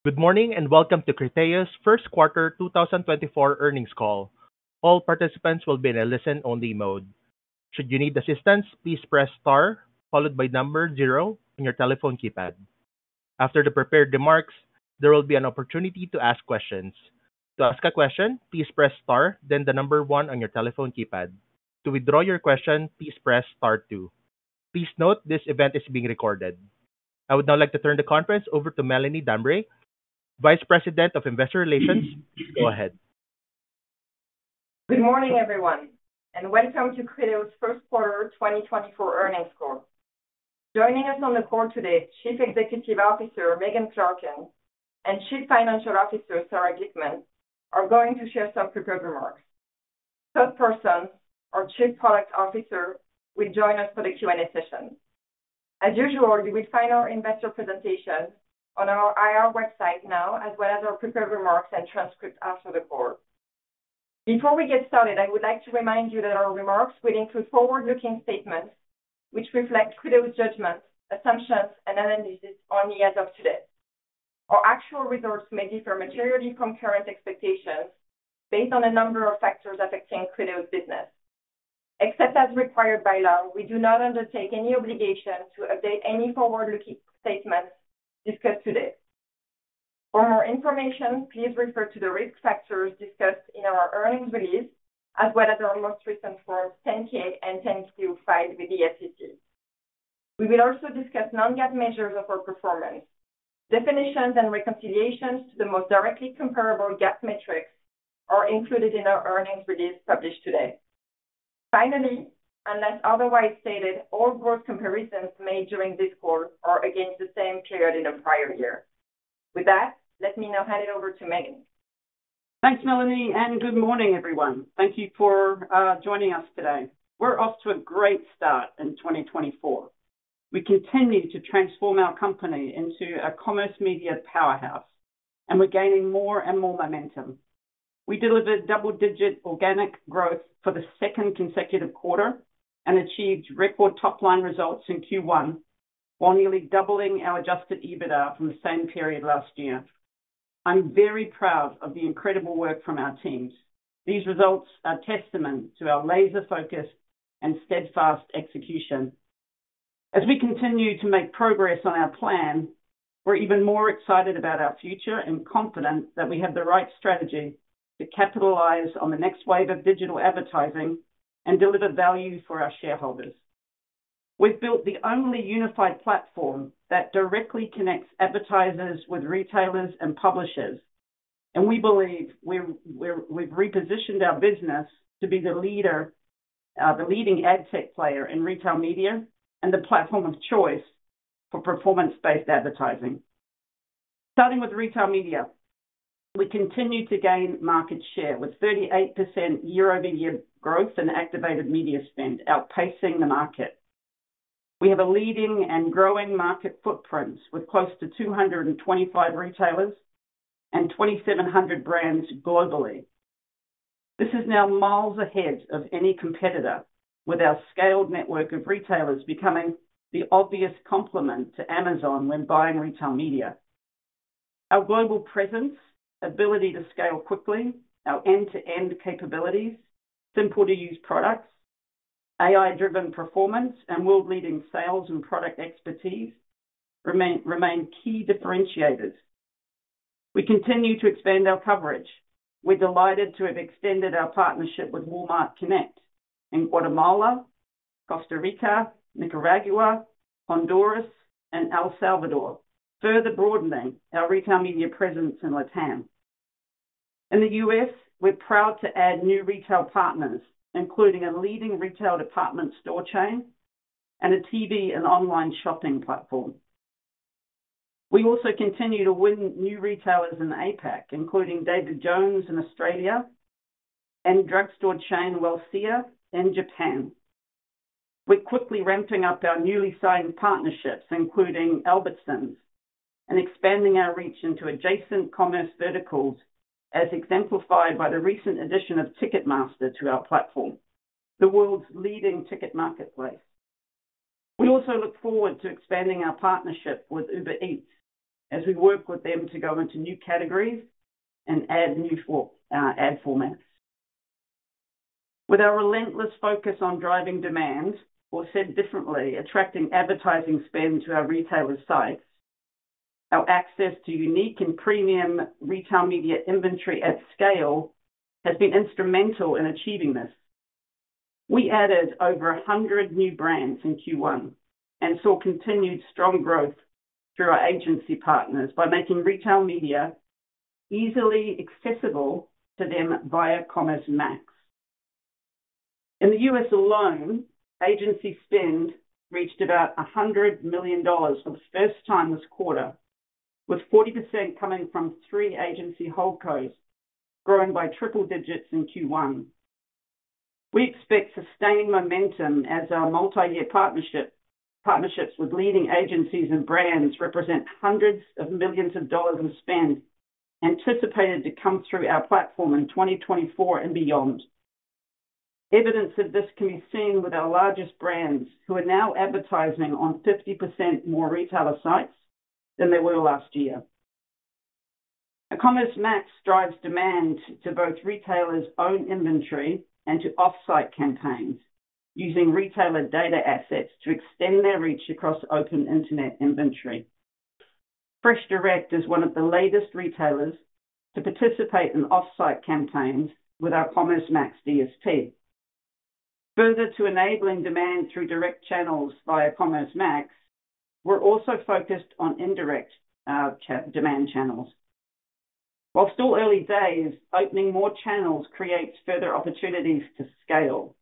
Good morning, and welcome to Criteo's first quarter 2024 earnings call. All participants will be in a listen-only mode. Should you need assistance, please press star followed by 0 on your telephone keypad. After the prepared remarks, there will be an opportunity to ask questions. To ask a question, please press star, then one on your telephone keypad. To withdraw your question, please press star two. Please note, this event is being recorded. I would now like to turn the conference over to Melanie Dambré, Vice President of Investor Relations. Go ahead. Good morning, everyone, and welcome to Criteo's first quarter 2024 earnings call. Joining us on the call today, Chief Executive Officer, Megan Clarken, and Chief Financial Officer, Sarah Glickman, are going to share some prepared remarks. Todd Parsons, our Chief Product Officer, will join us for the Q&A session. As usual, you will find our investor presentation on our IR website now, as well as our prepared remarks and transcript after the call. Before we get started, I would like to remind you that our remarks will include forward-looking statements, which reflect Criteo's judgments, assumptions, and analysis only as of today. Our actual results may differ materially from current expectations based on a number of factors affecting Criteo's business. Except as required by law, we do not undertake any obligation to update any forward-looking statements discussed today. For more information, please refer to the risk factors discussed in our earnings release, as well as our most recent Forms 10-K and 10-Q filed with the SEC. We will also discuss non-GAAP measures of our performance. Definitions and reconciliations to the most directly comparable GAAP metrics are included in our earnings release published today. Finally, unless otherwise stated, all growth comparisons made during this call are against the same period in the prior year. With that, let me now hand it over to Megan. Thanks, Melanie, and good morning, everyone. Thank you for joining us today. We're off to a great start in 2024. We continue to transform our company into a commerce media powerhouse, and we're gaining more and more momentum. We delivered double-digit organic growth for the second consecutive quarter and achieved record top-line results in Q1, while nearly doubling our adjusted EBITDA from the same period last year. I'm very proud of the incredible work from our teams. These results are testament to our laser focus and steadfast execution. As we continue to make progress on our plan, we're even more excited about our future and confident that we have the right strategy to capitalize on the next wave of digital advertising and deliver value for our shareholders. We've built the only unified platform that directly connects advertisers with retailers and publishers, and we believe we've repositioned our business to be the leader, the leading ad tech player in retail media and the platform of choice for performance-based advertising. Starting with retail media, we continue to gain market share with 38% year-over-year growth in activated media spend, outpacing the market. We have a leading and growing market footprint, with close to 225 retailers and 2,700 brands globally. This is now miles ahead of any competitor, with our scaled network of retailers becoming the obvious complement to Amazon when buying retail media. Our global presence, ability to scale quickly, our end-to-end capabilities, simple to use products, AI-driven performance, and world-leading sales and product expertise remain key differentiators. We continue to expand our coverage. We're delighted to have extended our partnership with Walmart Connect in Guatemala, Costa Rica, Nicaragua, Honduras, and El Salvador, further broadening our retail media presence in Latam. In the US, we're proud to add new retail partners, including a leading retail department store chain and a TV and online shopping platform. We also continue to win new retailers in APAC, including David Jones in Australia and drugstore chain, Welcia in Japan. We're quickly ramping up our newly signed partnerships, including Albertsons, and expanding our reach into adjacent commerce verticals, as exemplified by the recent addition of Ticketmaster to our platform, the world's leading ticket marketplace. We also look forward to expanding our partnership with Uber Eats as we work with them to go into new categories and add new ad formats. With our relentless focus on driving demand, or said differently, attracting advertising spend to our retailer sites, our access to unique and premium retail media inventory at scale has been instrumental in achieving this. We added over 100 new brands in Q1 and saw continued strong growth through our agency partners by making retail media easily accessible to them via Commerce Max. In the U.S. alone, agency spend reached about $100 million for the first time this quarter, with 40% coming from 3 agency holdcos, growing by triple digits in Q1. We expect sustained momentum as our multi-year partnership, partnerships with leading agencies and brands represent hundreds of millions of dollars in spend, anticipated to come through our platform in 2024 and beyond.... Evidence of this can be seen with our largest brands, who are now advertising on 50% more retailer sites than they were last year. Commerce Max drives demand to both retailers' own inventory and to off-site campaigns, using retailer data assets to extend their reach across open internet inventory. FreshDirect is one of the latest retailers to participate in off-site campaigns with our Commerce Max DSP. Further to enabling demand through direct channels via Commerce Max, we're also focused on indirect demand channels. While still early days, opening more channels creates further opportunities to scale.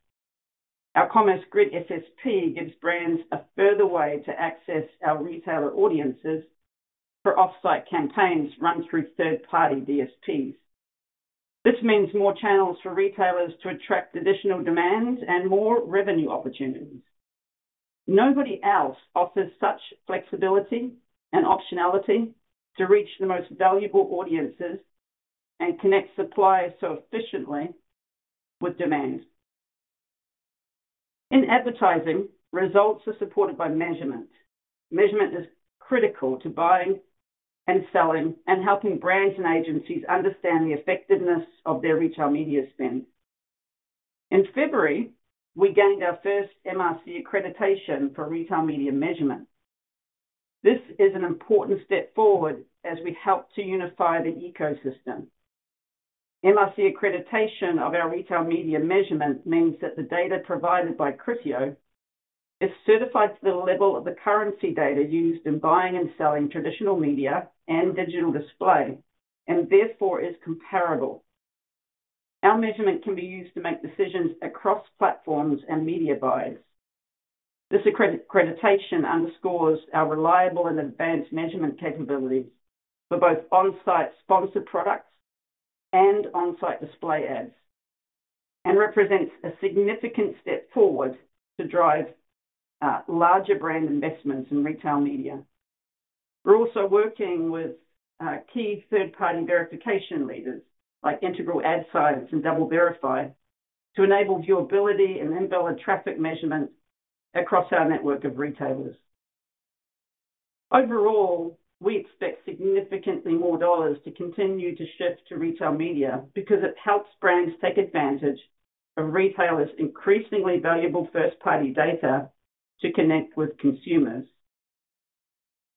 Our Commerce Grid SSP gives brands a further way to access our retailer audiences for off-site campaigns run through third-party DSPs. This means more channels for retailers to attract additional demand and more revenue opportunities. Nobody else offers such flexibility and optionality to reach the most valuable audiences and connect suppliers so efficiently with demand. In advertising, results are supported by measurement. Measurement is critical to buying and selling, and helping brands and agencies understand the effectiveness of their retail media spend. In February, we gained our first MRC accreditation for retail media measurement. This is an important step forward as we help to unify the ecosystem. MRC accreditation of our retail media measurement means that the data provided by Criteo is certified to the level of the currency data used in buying and selling traditional media and digital display, and therefore is comparable. Our measurement can be used to make decisions across platforms and media buys. This accreditation underscores our reliable and advanced measurement capabilities for both on-site sponsored products and on-site display ads, and represents a significant step forward to drive larger brand investments in retail media. We're also working with key third-party verification leaders, like Integral Ad Science and DoubleVerify, to enable viewability and invalid traffic measurement across our network of retailers. Overall, we expect significantly more dollars to continue to shift to retail media, because it helps brands take advantage of retailers' increasingly valuable first-party data to connect with consumers.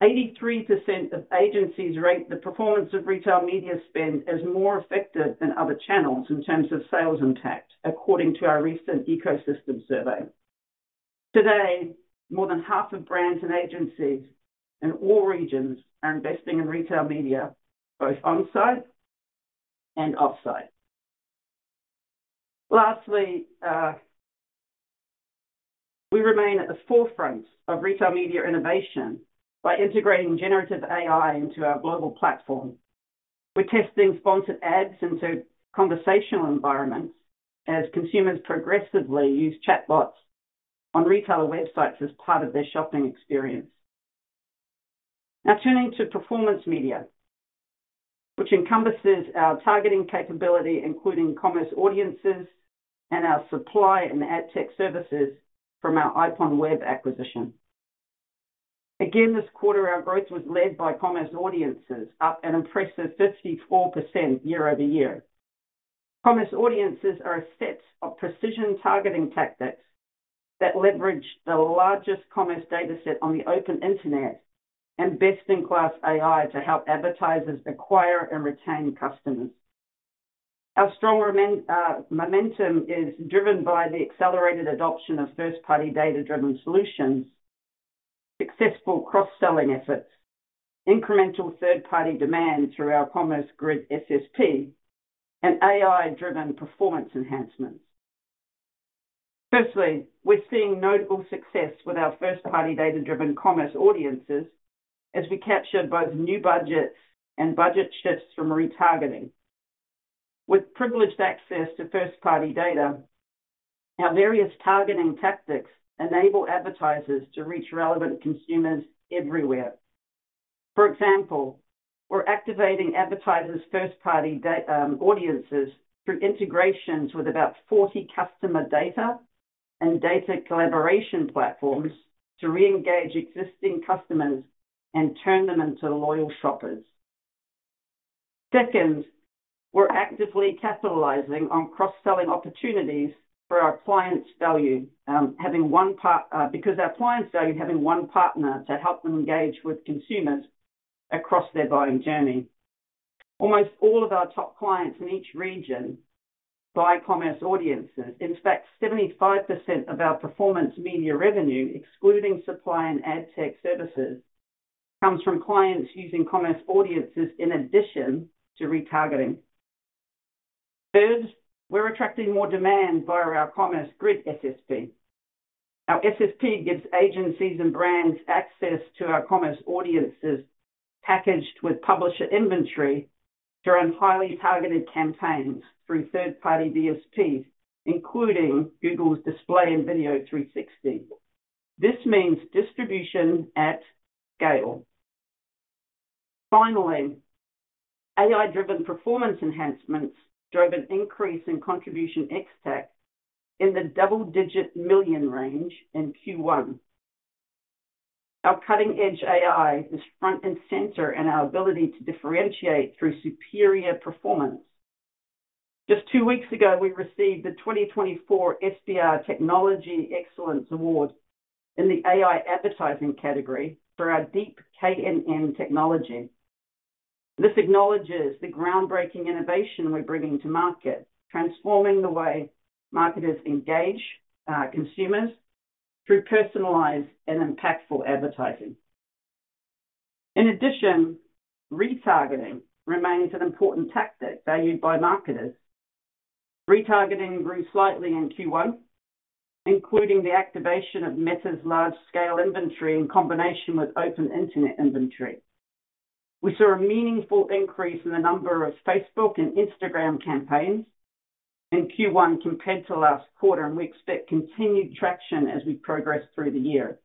83% of agencies rate the performance of retail media spend as more effective than other channels in terms of sales impact, according to our recent ecosystem survey. Today, more than half of brands and agencies in all regions are investing in retail media, both on-site and off-site. Lastly, we remain at the forefront of retail media innovation by integrating generative AI into our global platform. We're testing sponsored ads into conversational environments as consumers progressively use chatbots on retailer websites as part of their shopping experience. Now turning to performance media, which encompasses our targeting capability, including commerce audiences and our supply and ad tech services from our IPONWEB acquisition. Again, this quarter, our growth was led by commerce audiences, up an impressive 54% year-over-year. Commerce audiences are a set of precision targeting tactics that leverage the largest commerce dataset on the open internet, and best-in-class AI to help advertisers acquire and retain customers. Our strong momentum is driven by the accelerated adoption of first-party data-driven solutions, successful cross-selling efforts, incremental third-party demand through our Commerce Grid SSP, and AI-driven performance enhancements. Firstly, we're seeing notable success with our first-party data-driven commerce audiences, as we captured both new budgets and budget shifts from retargeting. With privileged access to first-party data, our various targeting tactics enable advertisers to reach relevant consumers everywhere. For example, we're activating advertisers' first-party data audiences through integrations with about 40 customer data and data collaboration platforms, to reengage existing customers and turn them into loyal shoppers. Second, we're actively capitalizing on cross-selling opportunities for our clients' value because our clients value having one partner to help them engage with consumers across their buying journey. Almost all of our top clients in each region buy commerce audiences. In fact, 75% of our performance media revenue, excluding supply and ad tech services, comes from clients using commerce audiences in addition to retargeting. Third, we're attracting more demand via our Commerce Grid SSP. Our SSP gives agencies and brands access to our commerce audiences, packaged with publisher inventory, to run highly targeted campaigns through third-party DSP, including Google's Display & Video 360. This means distribution at scale... Finally, AI-driven performance enhancements drove an increase in contribution ex-TAC in the double-digit million range in Q1. Our cutting-edge AI is front and center in our ability to differentiate through superior performance. Just two weeks ago, we received the 2024 SBR Technology Excellence Award in the AI advertising category for our DeepKNN technology. This acknowledges the groundbreaking innovation we're bringing to market, transforming the way marketers engage consumers through personalized and impactful advertising. In addition, retargeting remains an important tactic valued by marketers. Retargeting grew slightly in Q1, including the activation of Meta's large-scale inventory in combination with open internet inventory. We saw a meaningful increase in the number of Facebook and Instagram campaigns in Q1 compared to last quarter, and we expect continued traction as we progress through the year.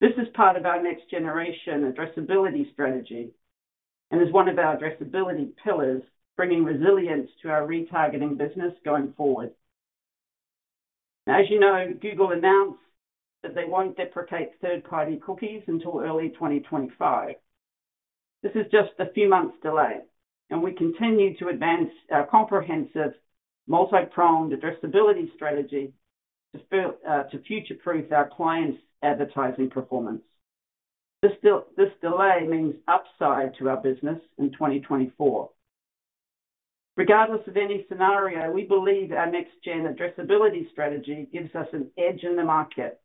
This is part of our next generation addressability strategy and is one of our addressability pillars, bringing resilience to our retargeting business going forward. As you know, Google announced that they won't deprecate third-party cookies until early 2025. This is just a few months delay, and we continue to advance our comprehensive, multi-pronged addressability strategy to future-proof our clients' advertising performance. This delay means upside to our business in 2024. Regardless of any scenario, we believe our next gen addressability strategy gives us an edge in the market.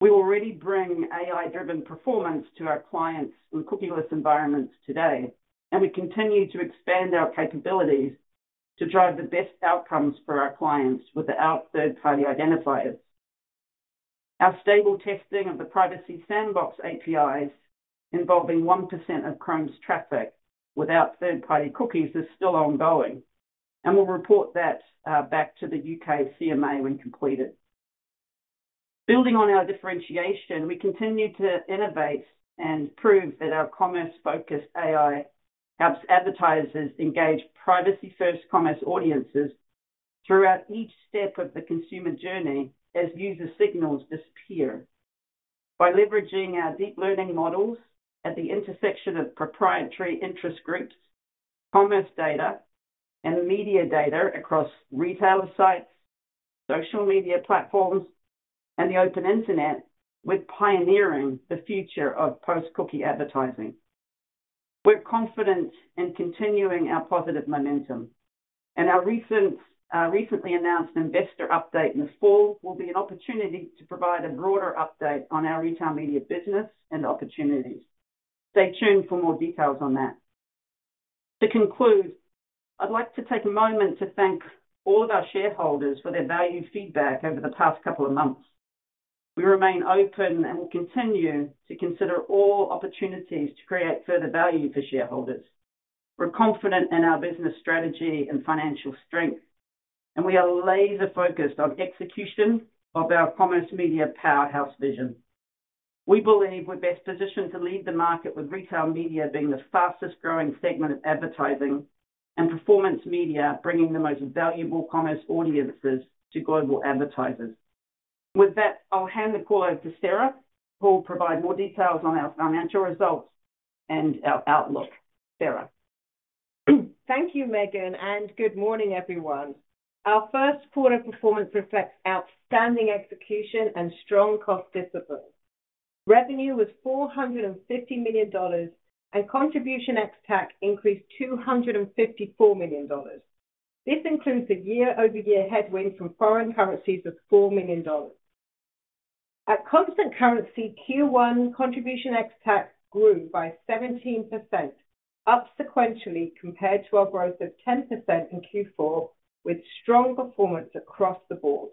We already bring AI-driven performance to our clients in cookieless environments today, and we continue to expand our capabilities to drive the best outcomes for our clients without third-party identifiers. Our stable testing of the Privacy Sandbox APIs, involving 1% of Chrome's traffic without third-party cookies, is still ongoing, and we'll report that back to the UK's CMA when completed. Building on our differentiation, we continue to innovate and prove that our commerce-focused AI helps advertisers engage privacy-first commerce audiences throughout each step of the consumer journey as user signals disappear. By leveraging our deep learning models at the intersection of proprietary interest groups, commerce data, and media data across retail sites, social media platforms, and the open internet, we're pioneering the future of post-cookie advertising. We're confident in continuing our positive momentum, and our recent, recently announced investor update in the fall will be an opportunity to provide a broader update on our retail media business and opportunities. Stay tuned for more details on that. To conclude, I'd like to take a moment to thank all of our shareholders for their valued feedback over the past couple of months. We remain open and will continue to consider all opportunities to create further value for shareholders. We're confident in our business strategy and financial strength, and we are laser-focused on execution of our commerce media powerhouse vision. We believe we're best positioned to lead the market, with retail media being the fastest-growing segment of advertising and performance media, bringing the most valuable commerce audiences to global advertisers. With that, I'll hand the call over to Sarah, who will provide more details on our financial results and our outlook. Sarah? Thank you, Megan, and good morning, everyone. Our first quarter performance reflects outstanding execution and strong cost discipline. Revenue was $450 million, and contribution ex-TAC increased $254 million. This includes a year-over-year headwind from foreign currencies of $4 million. At constant currency, Q1 contribution ex-TAC grew by 17%, up sequentially compared to our growth of 10% in Q4, with strong performance across the board.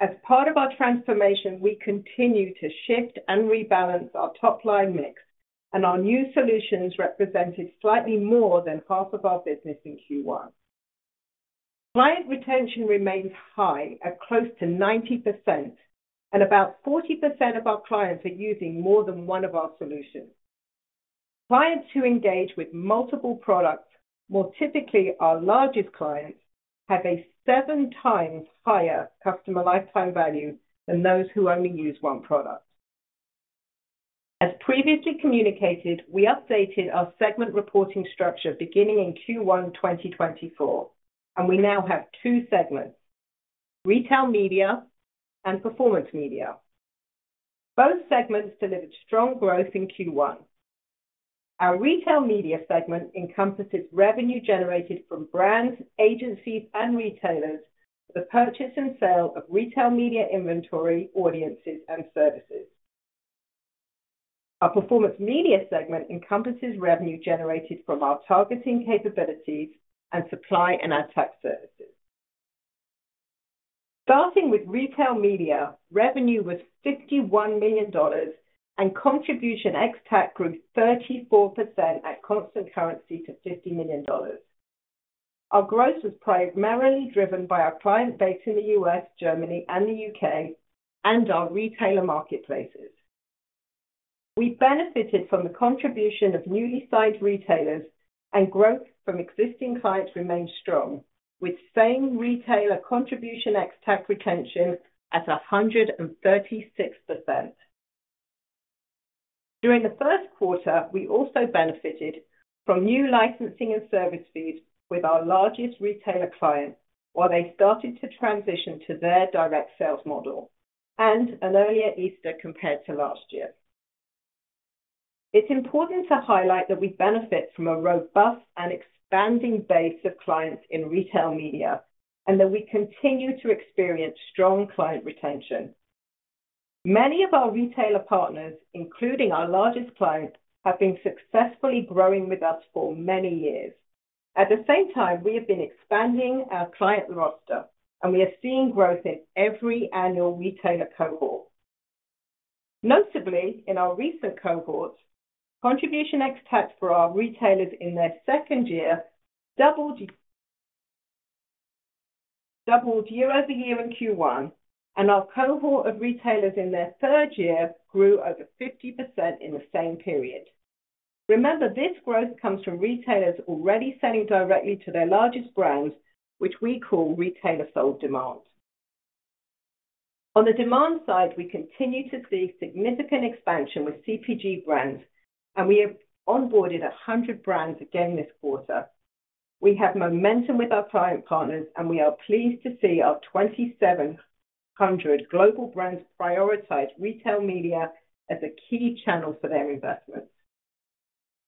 As part of our transformation, we continue to shift and rebalance our top-line mix, and our new solutions represented slightly more than half of our business in Q1. Client retention remains high at close to 90%, and about 40% of our clients are using more than one of our solutions. Clients who engage with multiple products, more typically our largest clients, have a 7x higher customer lifetime value than those who only use one product. As previously communicated, we updated our segment reporting structure beginning in Q1 2024, and we now have two segments: retail media and performance media. Both segments delivered strong growth in Q1. Our retail media segment encompasses revenue generated from brands, agencies, and retailers for the purchase and sale of retail media inventory, audiences, and services. Our performance media segment encompasses revenue generated from our targeting capabilities and supply and ad tech services. Starting with retail media, revenue was $51 million, and contribution ex-TAC grew 34% at constant currency to $50 million. Our growth was primarily driven by our client base in the U.S., Germany, and the U.K., and our retailer marketplaces. We benefited from the contribution of newly signed retailers, and growth from existing clients remained strong, with same retailer contribution ex-TAC retention at 136%. During the first quarter, we also benefited from new licensing and service fees with our largest retailer client, while they started to transition to their direct sales model, and an earlier Easter compared to last year. It's important to highlight that we benefit from a robust and expanding base of clients in retail media, and that we continue to experience strong client retention. Many of our retailer partners, including our largest clients, have been successfully growing with us for many years. At the same time, we have been expanding our client roster, and we are seeing growth in every annual retailer cohort. Notably, in our recent cohorts, Contribution ex-TAC for our retailers in their second year doubled, doubled year-over-year in Q1, and our cohort of retailers in their third year grew over 50% in the same period. Remember, this growth comes from retailers already selling directly to their largest brands, which we call retailer-sold demand. On the demand side, we continue to see significant expansion with CPG brands, and we have onboarded 100 brands again this quarter. We have momentum with our client partners, and we are pleased to see our 2,700 global brands prioritize retail media as a key channel for their investments.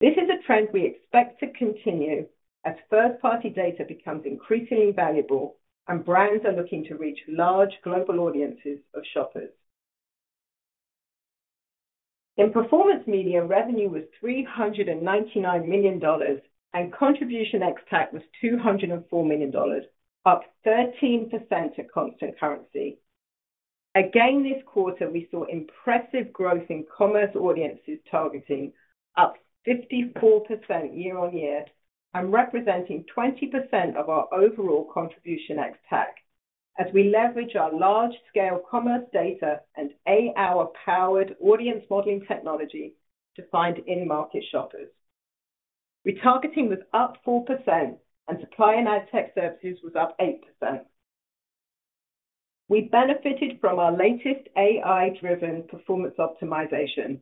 This is a trend we expect to continue as first-party data becomes increasingly valuable and brands are looking to reach large global audiences of shoppers. In performance media, revenue was $399 million, and contribution ex-TAC was $204 million, up 13% at constant currency. Again, this quarter, we saw impressive growth in commerce audiences targeting, up 54% year-on-year, and representing 20% of our overall contribution ex-TAC, as we leverage our large-scale commerce data and AI-powered audience modeling technology to find in-market shoppers. Retargeting was up 4%, and supply and ad tech services was up 8%. We benefited from our latest AI-driven performance optimization.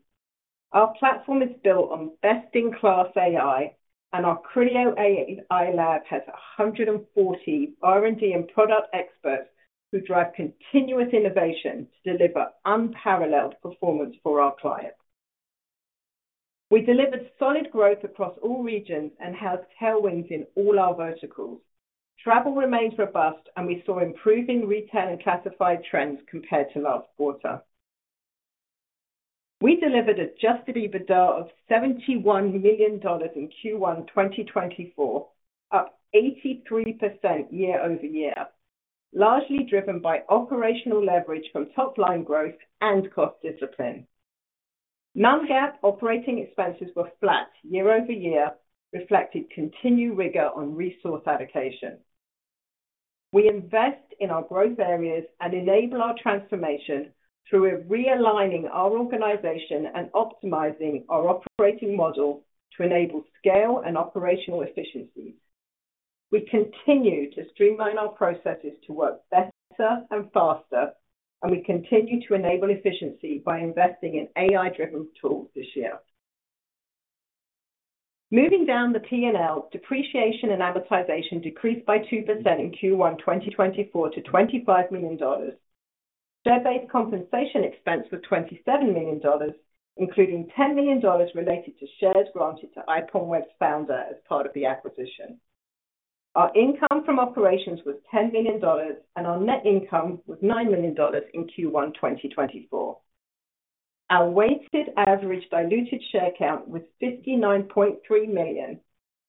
Our platform is built on best-in-class AI, and our Criteo AI Lab has 140 R&D and product experts who drive continuous innovation to deliver unparalleled performance for our clients. We delivered solid growth across all regions and had tailwinds in all our verticals. Travel remains robust, and we saw improving retail and classified trends compared to last quarter. We delivered Adjusted EBITDA of $71 million in Q1 2024, up 83% year-over-year, largely driven by operational leverage from top-line growth and cost discipline. Non-GAAP operating expenses were flat year-over-year, reflecting continued rigor on resource allocation. We invest in our growth areas and enable our transformation through realigning our organization and optimizing our operating model to enable scale and operational efficiency. We continue to streamline our processes to work better and faster, and we continue to enable efficiency by investing in AI-driven tools this year. Moving down the P&L, depreciation and amortization decreased by 2% in Q1 2024 to $25 million. Share-based compensation expense was $27 million, including $10 million related to shares granted to IPONWEB's founder as part of the acquisition. Our income from operations was $10 million, and our net income was $9 million in Q1 2024. Our weighted average diluted share count was 59.3 million,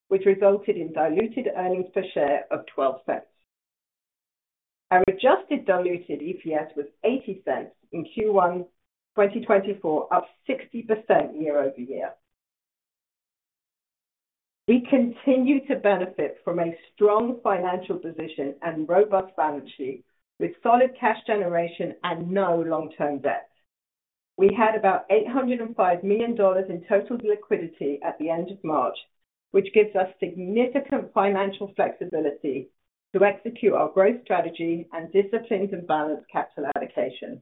which resulted in diluted earnings per share of $0.12. Our adjusted diluted EPS was $0.80 in Q1 2024, up 60% year-over-year. We continue to benefit from a strong financial position and robust balance sheet, with solid cash generation and no long-term debt. We had about $805 million in total liquidity at the end of March, which gives us significant financial flexibility to execute our growth strategy and disciplined and balanced capital allocation.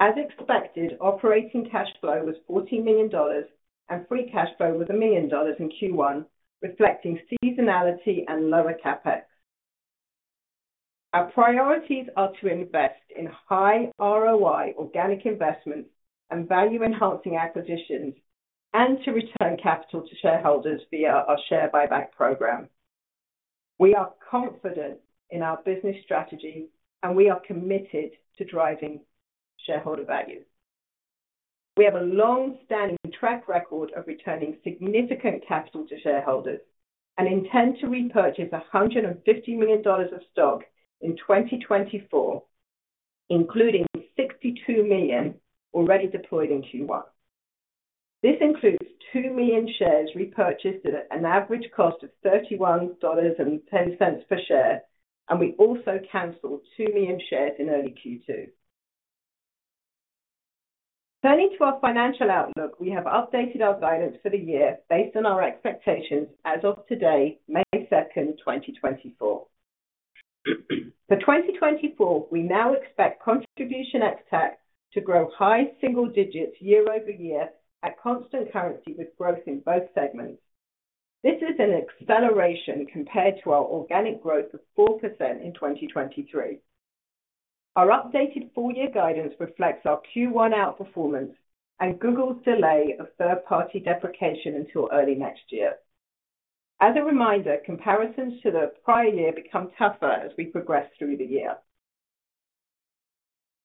As expected, operating cash flow was $14 million, and free cash flow was $1 million in Q1, reflecting seasonality and lower CapEx. Our priorities are to invest in high ROI organic investments and value-enhancing acquisitions, and to return capital to shareholders via our share buyback program. We are confident in our business strategy, and we are committed to driving shareholder value. We have a long-standing track record of returning significant capital to shareholders and intend to repurchase $150 million of stock in 2024, including $62 million already deployed in Q1. This includes 2 million shares repurchased at an average cost of $31.10 per share, and we also canceled 2 million shares in early Q2. Turning to our financial outlook, we have updated our guidance for the year based on our expectations as of today, May 2nd, 2024. For 2024, we now expect contribution ex-TAC to grow high single digits year-over-year at constant currency, with growth in both segments. This is an acceleration compared to our organic growth of 4% in 2023. Our updated full-year guidance reflects our Q1 outperformance and Google's delay of third-party cookie deprecation until early next year. As a reminder, comparisons to the prior year become tougher as we progress through the year.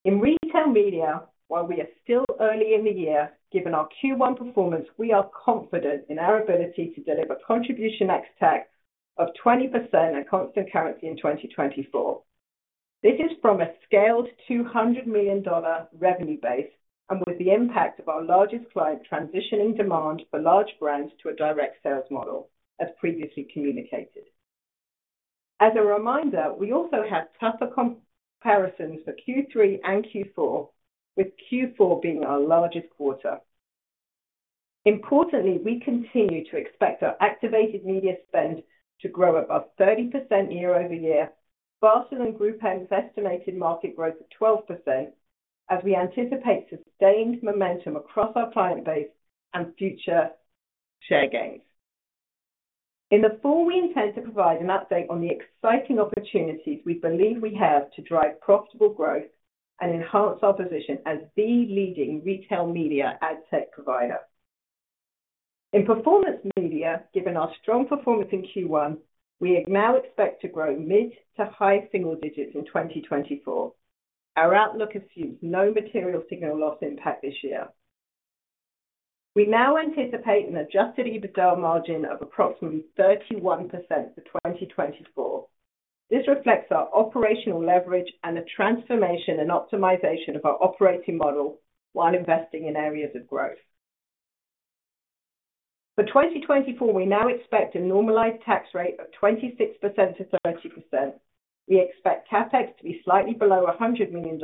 In retail media, while we are still early in the year, given our Q1 performance, we are confident in our ability to deliver contribution ex-TAC of 20% at constant currency in 2024. This is from a scaled $200 million revenue base and with the impact of our largest client transitioning demand for large brands to a direct sales model, as previously communicated. As a reminder, we also have tougher comparisons for Q3 and Q4, with Q4 being our largest quarter. Importantly, we continue to expect our activated media spend to grow above 30% year-over-year, faster than GroupM's estimated market growth of 12%, as we anticipate sustained momentum across our client base and future share gains. In the fall, we intend to provide an update on the exciting opportunities we believe we have to drive profitable growth and enhance our position as the leading retail media ad tech provider. In performance media, given our strong performance in Q1, we now expect to grow mid- to high-single digits in 2024. Our outlook assumes no material signal loss impact this year. We now anticipate an adjusted EBITDA margin of approximately 31% for 2024. This reflects our operational leverage and the transformation and optimization of our operating model while investing in areas of growth. For 2024, we now expect a normalized tax rate of 26%-30%. We expect CapEx to be slightly below $100 million,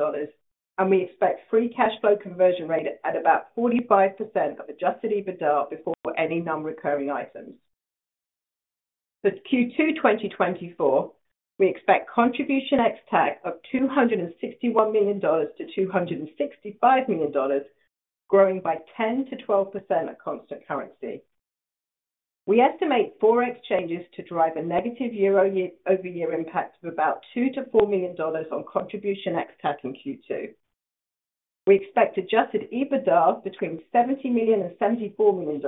and we expect free cash flow conversion rate at about 45% of adjusted EBITDA before any non-recurring items. For Q2 2024, we expect contribution ex-TAC of $261 million-$265 million, growing by 10%-12% at constant currency. We estimate foreign exchanges to drive a negative year-over-year impact of about $2 million-$4 million on contribution ex-TAC in Q2. We expect adjusted EBITDA between $70 million and $74 million,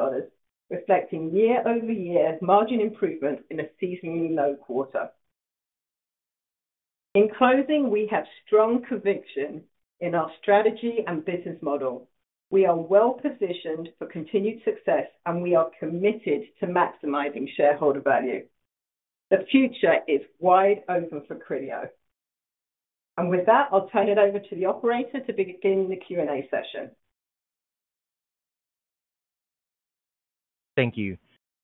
reflecting year-over-year margin improvement in a seasonally low quarter. In closing, we have strong conviction in our strategy and business model. We are well positioned for continued success, and we are committed to maximizing shareholder value. The future is wide open for Criteo. With that, I'll turn it over to the operator to begin the Q&A session. Thank you.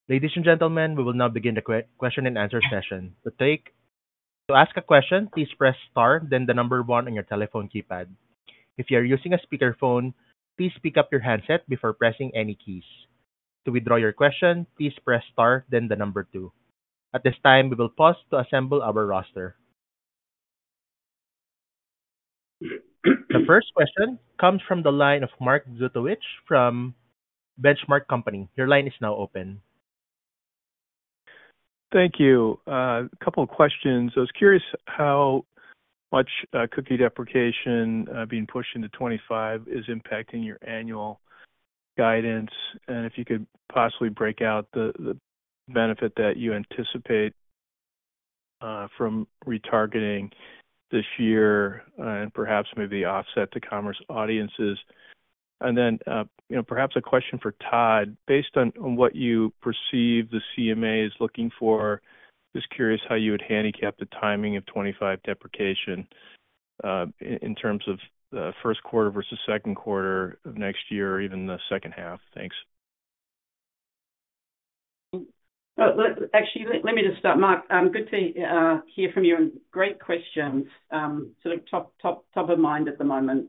Ladies and gentlemen, we will now begin the question and answer session. To ask a question, please press star, then 1 on your telephone keypad. If you are using a speakerphone, please pick up your handset before pressing any keys. To withdraw your question, please press star, then 2. At this time, we will pause to assemble our roster. The first question comes from the line of Mark Zgutowicz from The Benchmark Company. Your line is now open. Thank you. A couple of questions. I was curious how much cookie deprecation being pushed into 2025 is impacting your annual guidance, and if you could possibly break out the benefit that you anticipate from retargeting this year, and perhaps maybe offset to commerce audiences. And then, you know, perhaps a question for Todd. Based on what you perceive the CMA is looking for, just curious how you would handicap the timing of 2025 deprecation in terms of the first quarter versus second quarter of next year or even the second half. Thanks. Actually, let me just start, Mark. Good to hear from you, and great questions. Sort of top of mind at the moment.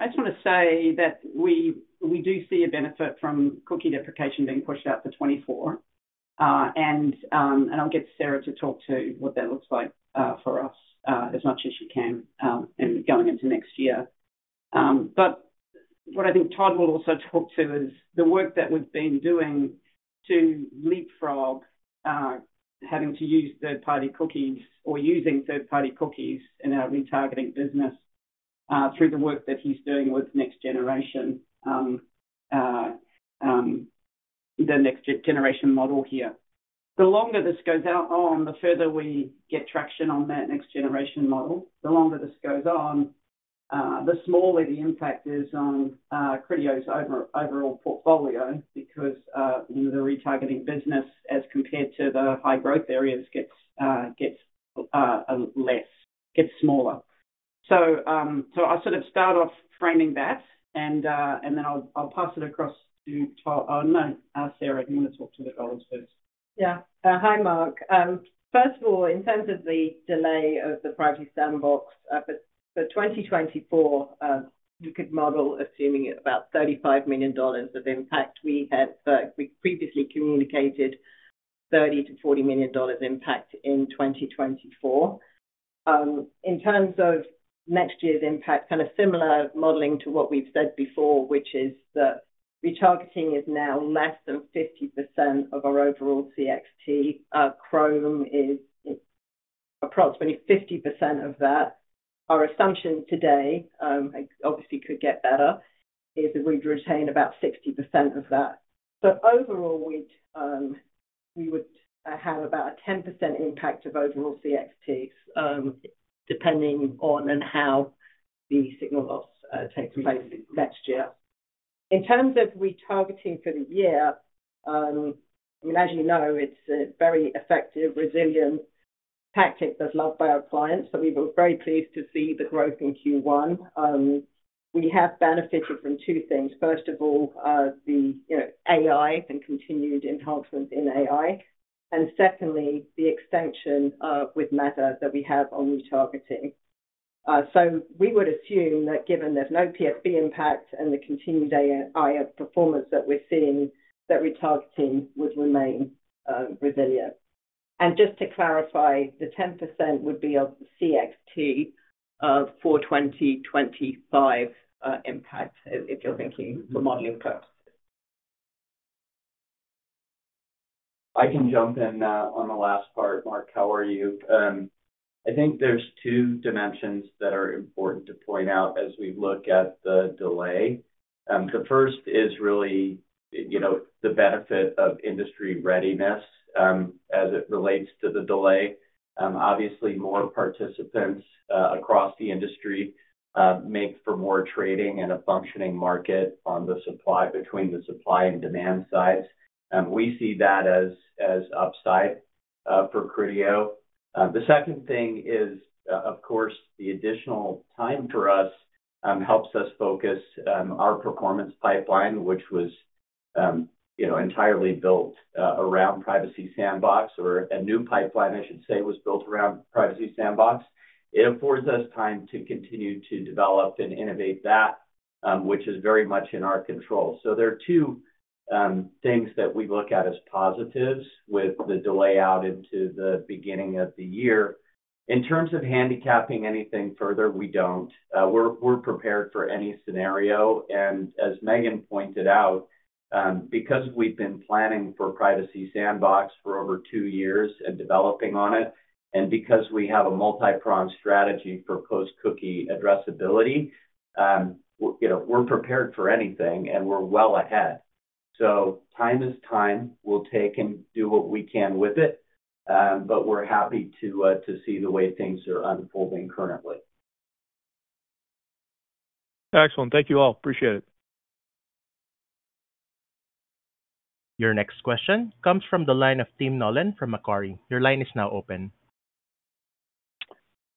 I just want to say that we do see a benefit from cookie deprecation being pushed out to 2024. And I'll get Sarah to talk to what that looks like for us, as much as she can, and going into next year. But what I think Todd will also talk to is the work that we've been doing to leapfrog having to use third-party cookies or using third-party cookies in our retargeting business, through the work that he's doing with the next generation model here. The longer this goes out on, the further we get traction on that next generation model. The longer this goes on, the smaller the impact is on Criteo's overall portfolio because, you know, the retargeting business, as compared to the high growth areas, gets smaller. ... So, I'll sort of start off framing that, and then I'll pass it across to Sarah. Do you want to talk to the call first? Yeah. Hi, Mark. First of all, in terms of the delay of the Privacy Sandbox, for 2024, you could model assuming about $35 million of impact. We had, we previously communicated $30-$40 million impact in 2024. In terms of next year's impact, kind of similar modeling to what we've said before, which is that retargeting is now less than 50% of our overall CXT. Chrome is approximately 50% of that. Our assumption today, obviously could get better, is that we'd retain about 60% of that. But overall, we'd, we would have about a 10% impact of overall CXT, depending on and how the signal loss takes place next year. In terms of retargeting for the year, as you know, it's a very effective, resilient tactic that's loved by our clients, so we were very pleased to see the growth in Q1. We have benefited from two things. First of all, you know, AI and continued enhancement in AI, and secondly, the extension with Meta that we have on retargeting. So we would assume that given there's no PSP impact and the continued AI performance that we're seeing, that retargeting would remain resilient. And just to clarify, the 10% would be of CXT for 2025 impact, if you're thinking for modeling purposes. I can jump in, on the last part. Mark, how are you? I think there's two dimensions that are important to point out as we look at the delay. The first is really, you know, the benefit of industry readiness, as it relates to the delay. Obviously, more participants, across the industry, make for more trading and a functioning market on the supply, between the supply and demand sides. We see that as, as upside, for Criteo. The second thing is, of course, the additional time for us, helps us focus, our performance pipeline, which was, you know, entirely built, around Privacy Sandbox, or a new pipeline, I should say, was built around Privacy Sandbox. It affords us time to continue to develop and innovate that, which is very much in our control. So there are two things that we look at as positives with the delay out into the beginning of the year. In terms of handicapping anything further, we don't. We're prepared for any scenario, and as Megan pointed out, because we've been planning for Privacy Sandbox for over two years and developing on it, and because we have a multipronged strategy for post-cookie addressability, you know, we're prepared for anything, and we're well ahead. So time is time. We'll take and do what we can with it, but we're happy to see the way things are unfolding currently. Excellent. Thank you, all. Appreciate it. Your next question comes from the line of Tim Nollen from Macquarie. Your line is now open.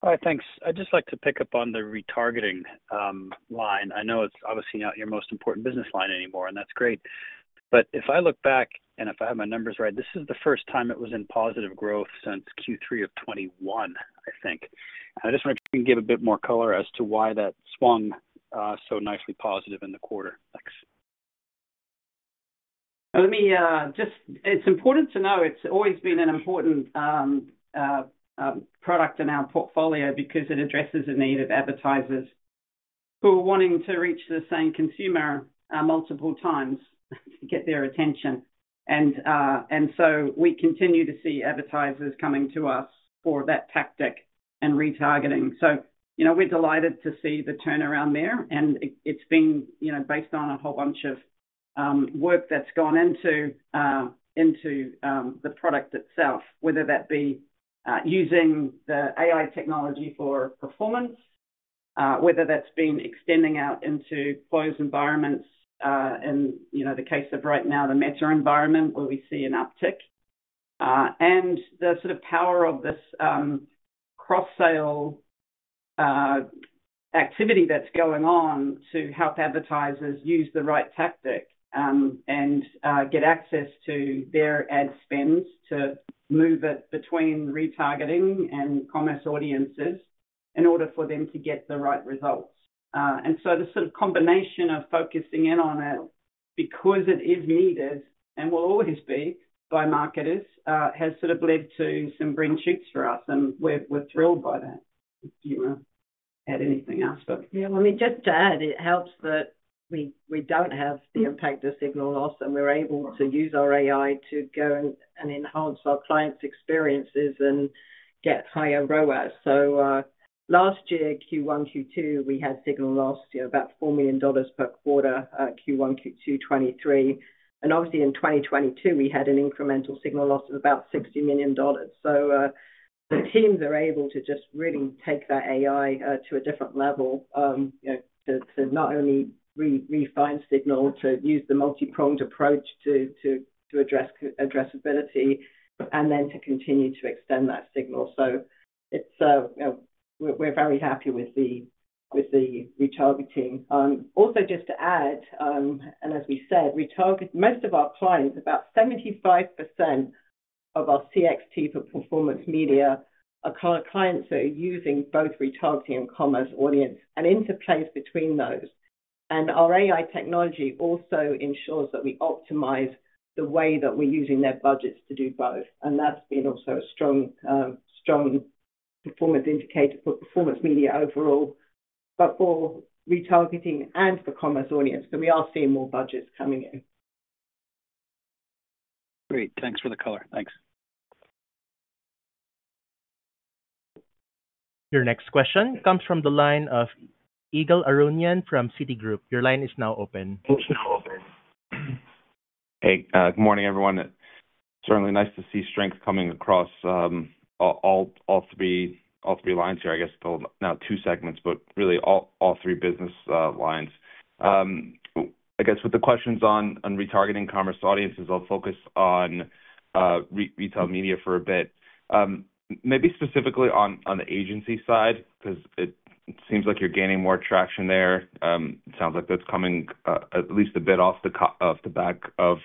Hi, thanks. I'd just like to pick up on the retargeting line. I know it's obviously not your most important business line anymore, and that's great. But if I look back, and if I have my numbers right, this is the first time it was in positive growth since Q3 of 2021, I think. I just wonder if you can give a bit more color as to why that swung so nicely positive in the quarter. Thanks. Let me just... It's important to know it's always been an important product in our portfolio because it addresses the need of advertisers who are wanting to reach the same consumer multiple times to get their attention. And so we continue to see advertisers coming to us for that tactic and retargeting. So, you know, we're delighted to see the turnaround there, and it's been, you know, based on a whole bunch of work that's gone into the product itself, whether that be using the AI technology for performance, whether that's been extending out into closed environments, in, you know, the case of right now, the Meta environment, where we see an uptick, and the sort of power of this cross-sale activity that's going on to help advertisers use the right tactic, and get access to their ad spends to move it between retargeting and commerce audiences in order for them to get the right results. And so the sort of combination of focusing in on it because it is needed, and will always be by marketers, has sort of led to some green shoots for us, and we're thrilled by that. Do you want to add anything else, though? Yeah, well, I mean, just to add, it helps that we don't have the impact of signal loss, and we're able to use our AI to go and enhance our clients' experiences and get higher ROAS. So, last year, Q1, Q2, we had signal loss, you know, about $4 million per quarter, Q1, Q2 2023, and obviously in 2022, we had an incremental signal loss of about $60 million. So, the teams are able to just really take that AI to a different level, you know, to not only refine signal, to use the multipronged approach to address addressability, and then to continue to extend that signal. So it's, you know, we're very happy with the retargeting. Also just to add, and as we said, we target most of our clients, about 75% of our ex-TAC for performance media are clients that are using both retargeting and commerce audience, and interplays between those. Our AI technology also ensures that we optimize the way that we're using their budgets to do both. That's been also a strong, strong performance indicator for performance media overall, but for retargeting and for commerce audience. We are seeing more budgets coming in. Great, thanks for the color. Thanks. Your next question comes from the line of Ygal Arounian from Citi. Your line is now open. Hey, good morning, everyone. It's certainly nice to see strength coming across all three lines here, I guess, well, now two segments, but really, all three business lines. I guess with the questions on retargeting commerce audiences, I'll focus on retail media for a bit. Maybe specifically on the agency side, 'cause it seems like you're gaining more traction there. It sounds like that's coming at least a bit off the back of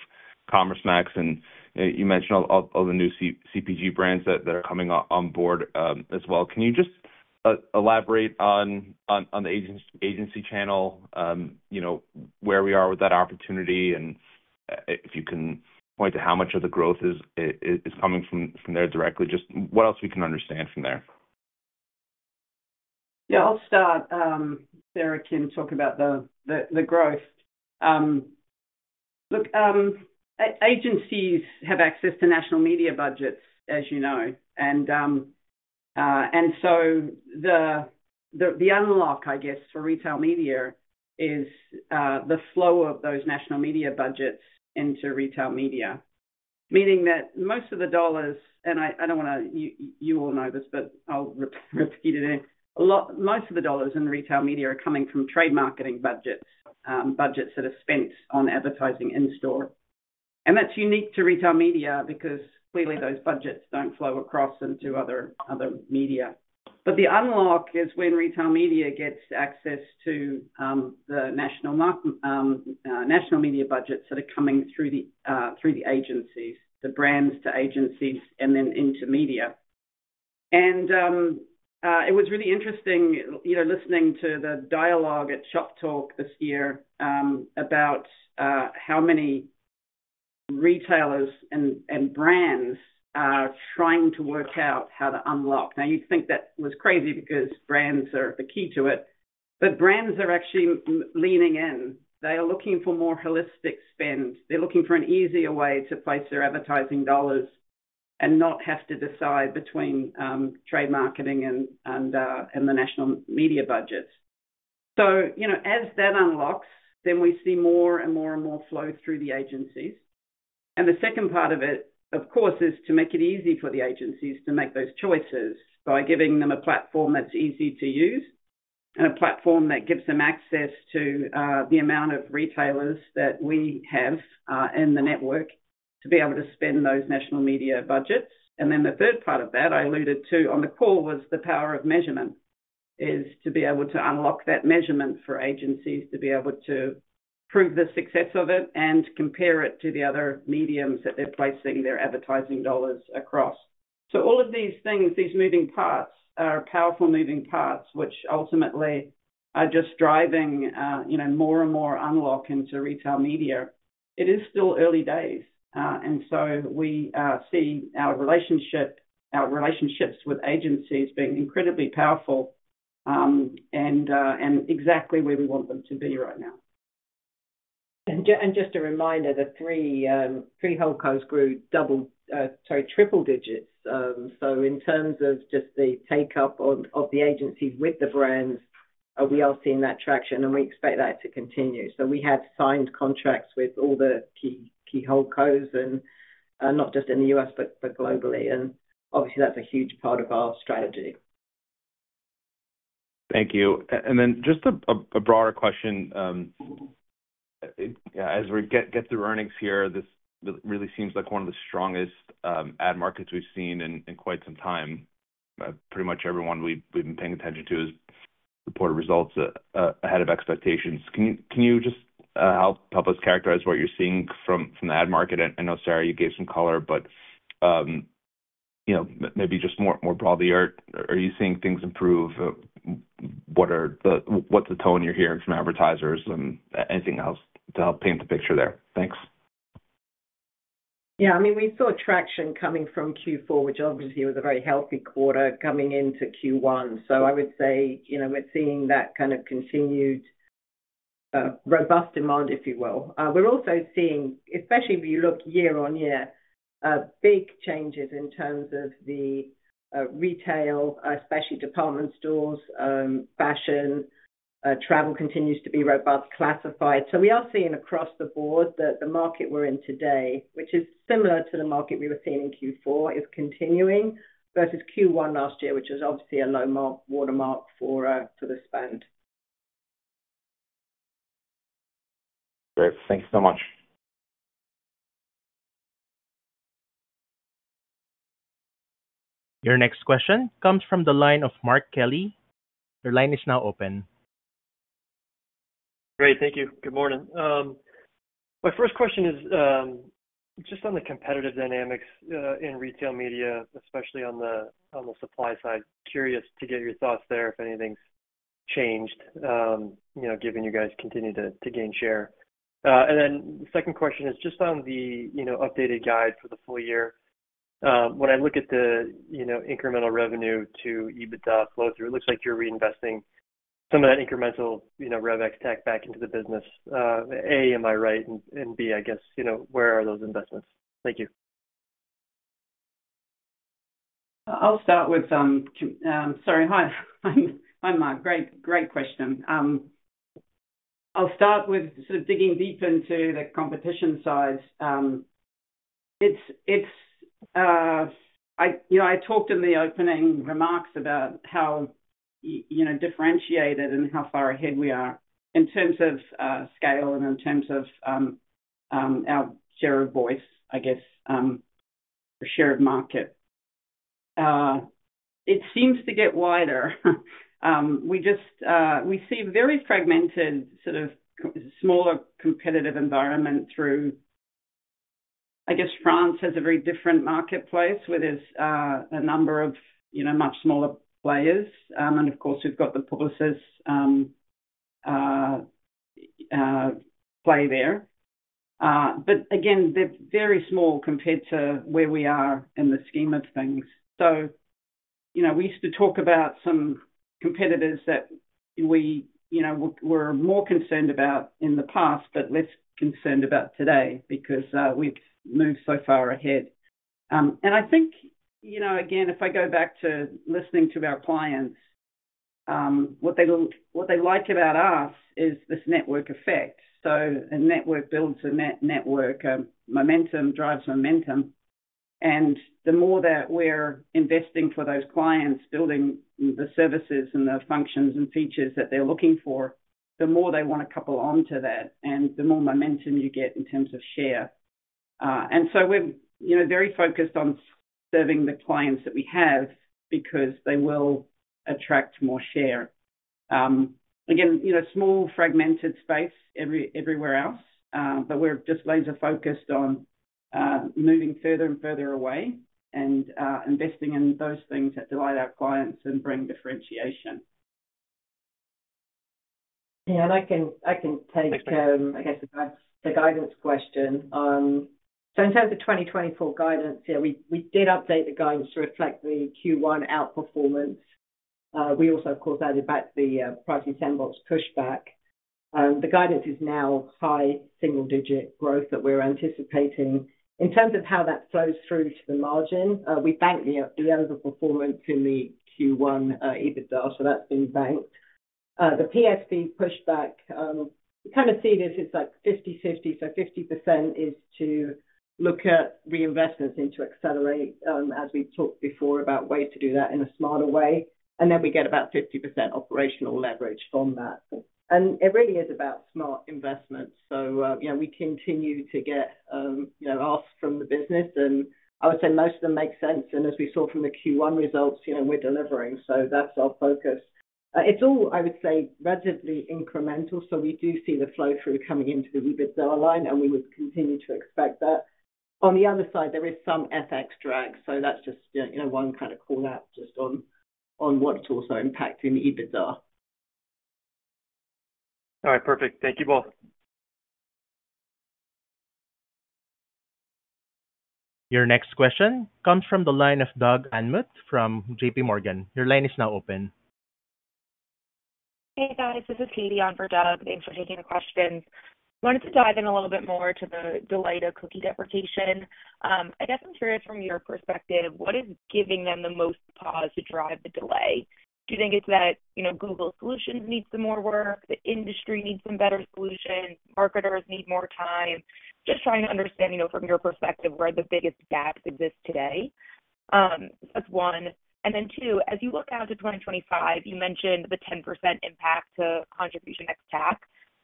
Commerce Max, and you mentioned all the new CPG brands that are coming on board as well. Can you just elaborate on the agency channel, you know, where we are with that opportunity, and if you can point to how much of the growth is coming from there directly, just what else we can understand from there? Yeah, I'll start. Sarah can talk about the growth. Look, agencies have access to national media budgets, as you know. And so the unlock, I guess, for retail media is the flow of those national media budgets into retail media. Meaning that most of the dollars, and I don't want to... You all know this, but I'll repeat it again. Most of the dollars in retail media are coming from trade marketing budgets, budgets that are spent on advertising in store. And that's unique to retail media, because clearly, those budgets don't flow across into other media. But the unlock is when retail media gets access to the national media budgets that are coming through the agencies, the brands to agencies and then into media. It was really interesting, you know, listening to the dialogue at Shoptalk this year, about how many retailers and brands are trying to work out how to unlock. Now, you'd think that was crazy because brands are the key to it, but brands are actually leaning in. They are looking for more holistic spend. They're looking for an easier way to place their advertising dollars and not have to decide between trade marketing and the national media budgets. You know, as that unlocks, then we see more and more and more flow through the agencies. And the second part of it, of course, is to make it easy for the agencies to make those choices by giving them a platform that's easy to use and a platform that gives them access to the amount of retailers that we have in the network to be able to spend those national media budgets. And then the third part of that, I alluded to on the call, was the power of measurement, is to be able to unlock that measurement for agencies, to be able to prove the success of it and compare it to the other mediums that they're placing their advertising dollars across. So all of these things, these moving parts, are powerful moving parts, which ultimately are just driving, you know, more and more unlock into retail media. It is still early days, and so we see our relationship, our relationships with agencies being incredibly powerful, and exactly where we want them to be right now. And just a reminder, the three holdcos grew double, sorry, triple digits. So in terms of just the take-up of the agencies with the brands, we are seeing that traction, and we expect that to continue. So we have signed contracts with all the key holdcos, and not just in the U.S., but globally. And obviously, that's a huge part of our strategy. Thank you. And then just a broader question, as we get through earnings here, this really seems like one of the strongest ad markets we've seen in quite some time. Pretty much everyone we've been paying attention to has reported results ahead of expectations. Can you just help us characterize what you're seeing from the ad market? I know, Sarah, you gave some color, but you know, maybe just more broadly, are you seeing things improve? What are the... What's the tone you're hearing from advertisers, and anything else to help paint the picture there? Thanks. Yeah, I mean, we saw traction coming from Q4, which obviously was a very healthy quarter coming into Q1. So I would say, you know, we're seeing that kind of continued, robust demand, if you will. We're also seeing, especially if you look year-on-year, big changes in terms of the, retail, especially department stores, fashion. Travel continues to be robust, classified. So we are seeing across the board that the market we're in today, which is similar to the market we were seeing in Q4, is continuing, versus Q1 last year, which was obviously a low watermark for, for the spend. Great. Thank you so much. Your next question comes from the line of Mark Kelley. Your line is now open. Great. Thank you. Good morning. My first question is just on the competitive dynamics in retail media, especially on the supply side. Curious to get your thoughts there, if anything's changed, you know, given you guys continue to gain share. And then the second question is just on the updated guide for the full year. When I look at the incremental revenue to EBITDA flow through, it looks like you're reinvesting some of that incremental rev ex-TAC back into the business. A, am I right? And B, I guess, you know, where are those investments? Thank you. I'll start with, sorry. Hi. Hi, Mark. Great, great question. I'll start with sort of digging deep into the competition side. It's, it's... I, you know, I talked in the opening remarks about how, you know, differentiated and how far ahead we are in terms of, scale and in terms of, our share of voice, I guess, or share of market. It seems to get wider. We just, we see very fragmented, sort of smaller competitive environment through... I guess, France has a very different marketplace, where there's, a number of, you know, much smaller players. And of course, we've got the Publicis, play there. But again, they're very small compared to where we are in the scheme of things. So, you know, we used to talk about some competitors that we, you know, were more concerned about in the past, but less concerned about today because we've moved so far ahead. And I think, you know, again, if I go back to listening to our clients, what they like about us is this network effect. So a network builds a network. Momentum drives momentum. And the more that we're investing for those clients, building the services and the functions and features that they're looking for, the more they wanna couple onto that, and the more momentum you get in terms of share. And so we're, you know, very focused on serving the clients that we have because they will attract more share. Again, you know, small, fragmented space everywhere else, but we're just laser focused on moving further and further away and investing in those things that delight our clients and bring differentiation. Yeah, and I can take, I guess, the guidance question. So in terms of 2024 guidance, yeah, we did update the guidance to reflect the Q1 outperformance. We also, of course, added back the Privacy Sandbox pushback. The guidance is now high single-digit growth that we're anticipating. In terms of how that flows through to the margin, we banked the overperformance in the Q1 EBITDA, so that's been banked. The PSP pushback, we kind of see this as, like, 50/50, so 50% is to look at reinvestments and to accelerate, as we've talked before, about ways to do that in a smarter way, and then we get about 50% operational leverage from that. And it really is about smart investments. You know, we continue to get, you know, asks from the business, and I would say most of them make sense. As we saw from the Q1 results, you know, we're delivering, so that's our focus. It's all, I would say, relatively incremental, so we do see the flow-through coming into the EBITDA line, and we would continue to expect that. On the other side, there is some FX drag, so that's just, you know, one kind of call-out just on what's also impacting the EBITDA. All right, perfect. Thank you both. Your next question comes from the line of Doug Anmuth from JPMorgan. Your line is now open. Hey, guys, this is Katie on for Doug. Thanks for taking the questions. Wanted to dive in a little bit more to the delay to cookie deprecation. I guess I'm curious from your perspective, what is giving them the most pause to drive the delay? Do you think it's that, you know, Google solutions need some more work, the industry needs some better solutions, marketers need more time? Just trying to understand, you know, from your perspective, where the biggest gaps exist today, that's one. And then two, as you look out to 2025, you mentioned the 10% impact to contribution ex-TAC.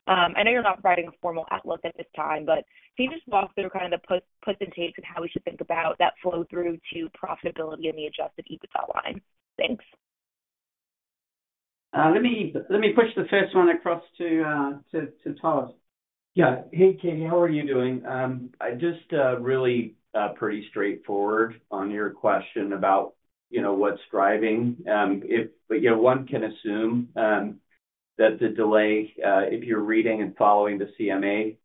I know you're not providing a formal outlook at this time, but can you just walk through kind of the puts and takes of how we should think about that flow-through to profitability and the adjusted EBITDA line? Thanks. Let me push the first one across to Todd. Yeah. Hey, Katie, how are you doing? I just really pretty straightforward on your question about, you know, what's driving. But, you know, one can assume that the delay, if you're reading and following the CMA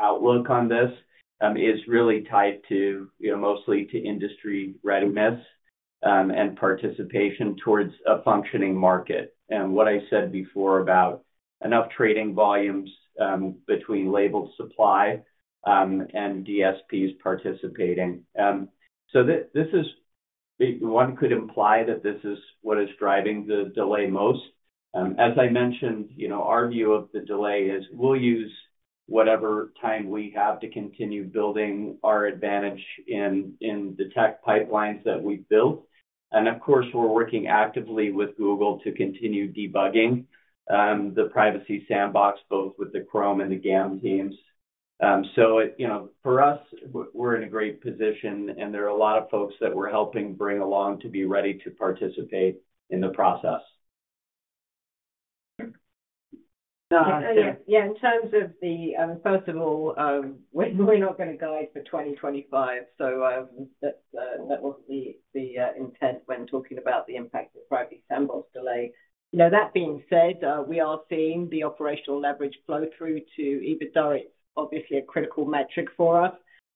outlook on this, is really tied to, you know, mostly to industry readiness and participation towards a functioning market. And what I said before about enough trading volumes between labeled supply and DSPs participating. So this is... One could imply that this is what is driving the delay most. As I mentioned, you know, our view of the delay is, we'll use whatever time we have to continue building our advantage in the tech pipelines that we've built. And of course, we're working actively with Google to continue debugging the Privacy Sandbox, both with the Chrome and the GAM teams. So, you know, for us, we're in a great position, and there are a lot of folks that we're helping bring along to be ready to participate in the process. Yeah, in terms of the, first of all, we're, we're not gonna guide for 2025, so, that's that wasn't the, the, intent when talking about the impact of Privacy Sandbox delay. You know, that being said, we are seeing the operational leverage flow through to EBITDA. It's obviously a critical metric for us,